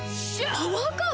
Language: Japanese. パワーカーブ